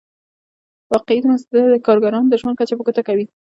واقعي مزد د کارګرانو د ژوند کچه په ګوته کوي